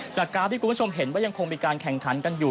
กราฟที่คุณผู้ชมเห็นว่ายังคงมีการแข่งขันกันอยู่